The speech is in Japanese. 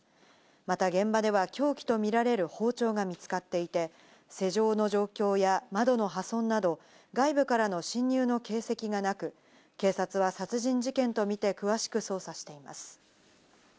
また現場では凶器とみられる包丁が見つかっていて、施錠の状況や窓の破損など、外部からの侵入の形跡がなく、警察は殺人事件とみて詳しく捜査しています。